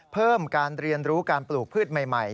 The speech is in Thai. เพิ่มการเรียนรู้การปลูกพืชใหม่